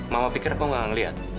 mama pikir aku gak ngeliat